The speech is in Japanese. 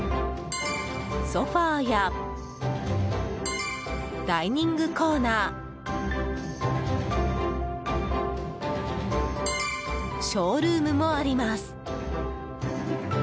ソファやダイニングコーナーショールームもあります。